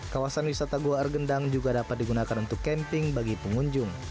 kawasan wisata goa argendang juga dapat digunakan untuk camping bagi pengunjung